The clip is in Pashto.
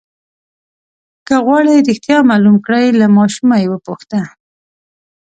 که غواړئ رښتیا معلوم کړئ له ماشوم یې وپوښته.